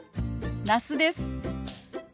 那須です。